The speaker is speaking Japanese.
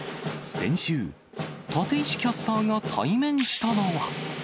先週、立石キャスターが対面したのは。